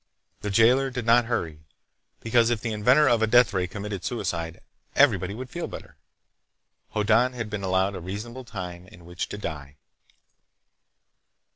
The jailer did not hurry, because if the inventor of a deathray committed suicide, everybody would feel better. Hoddan had been allowed a reasonable time in which to die.